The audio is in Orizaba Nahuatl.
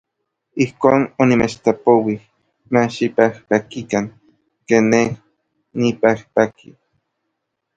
Ijkon onimechtlapouij ma xipajpakikan ken nej nipajpaki.